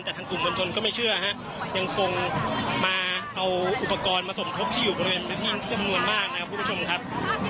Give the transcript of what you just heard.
แต่ทางกลุ่มมวลชนก็ไม่เชื่อฮะยังคงมาเอาอุปกรณ์มาสมทบที่อยู่บริเวณพื้นที่ที่จำนวนมากนะครับคุณผู้ชมครับ